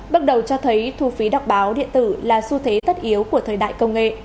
bước đầu cho thấy thu phí đọc báo điện tử là xu thế tất yếu của thời đại công nghệ